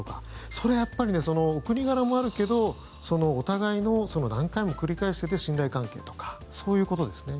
それはやっぱりお国柄もあるけどお互いの何回も繰り返してて信頼関係とかそういうことですね。